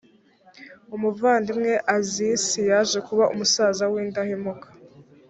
umuvandimwe azisi yaje kuba umusaza w’indahemuka